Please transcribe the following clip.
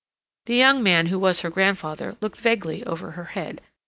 The young man who was her grandfather looked vaguely over her head.